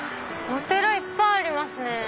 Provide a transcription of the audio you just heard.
お寺いっぱいありますね。